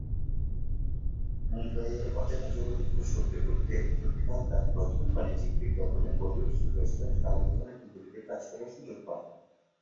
মুম্বইয়ের অচেনা জগতে খোঁজ করতে করতে, উপেক্ষা তাঁর প্রথম বাণিজ্যিক বিজ্ঞাপনে বলিউড সুপারস্টার শাহরুখ খানের বিপরীতে কাজ করার সুযোগ পান।